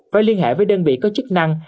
phải liên hệ với đơn vị có chức năng